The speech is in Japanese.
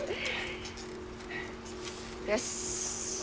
よし。